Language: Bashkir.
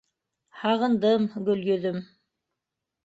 — Һағындым, Гөлйөҙөм.